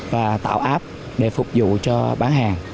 và tạo app để phục vụ cho bán hàng